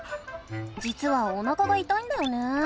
じつはおなかがいたいんだよね。